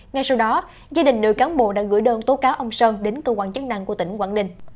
ngay sau đó gia đình nữ cán bộ đã gửi đơn tố cáo ông sơn đến cơ quan chức năng của tỉnh quảng ninh